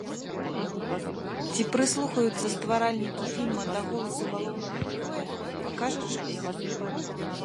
Ці прыслухаюцца стваральнікі фільма да голасу галоўнага героя, пакажа час.